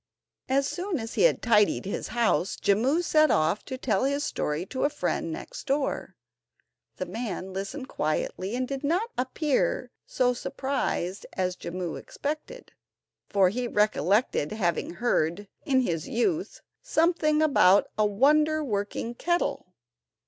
As soon as he had tidied his house, Jimmu set off to tell his story to a friend next door. The man listened quietly, and did not appear so surprised as Jimmu expected, for he recollected having heard, in his youth, something about a wonder working kettle.